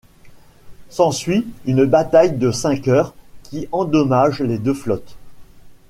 S'ensuit une bataille de cinq heures qui endommage les deux flottes.